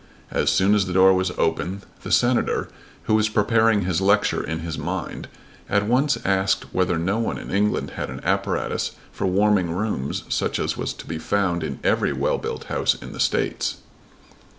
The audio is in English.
As soon as the door was open the Senator, who was preparing his lecture in his mind, at once asked whether no one in England had an apparatus for warming rooms such as was to be found in every well built house in the States.